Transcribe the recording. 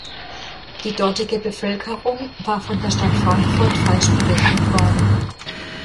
Die dortige Bevölkerung war von der Stadt Frankfurt falsch berechnet worden.